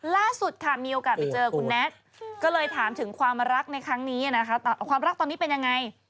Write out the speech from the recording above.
ล่าสุดค่ะมีโอกาสไปเจอคุณแน็กก็เลยถามถึงความรักในครั้งนี้นะคะความรักตอนนี้เป็นยังไง